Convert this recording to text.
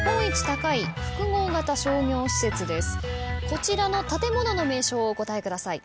こちらの建物の名称をお答えください。